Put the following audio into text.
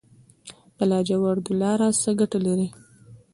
د لاجوردو لاره څه ګټه لري؟